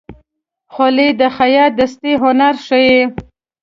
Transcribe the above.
خولۍ د خیاط دستي هنر ښيي.